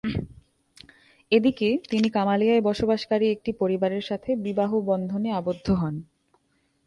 এদিকে, তিনি কামালিয়ায় বসবাসকারী একটি পরিবারের সাথে বিবাহ বন্ধনে আবদ্ধ হন।